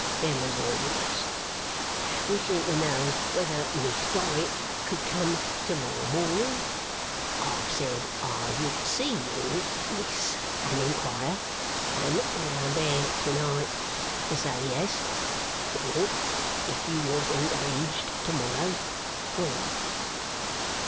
Them was her words. Wishing to know whether Miss Dorrit could come to morrow morning, I said I would see you, Miss, and inquire, and look round there to night, to say yes, or, if you was engaged to morrow, when?